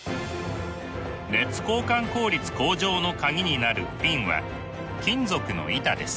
熱交換効率向上の鍵になるフィンは金属の板です。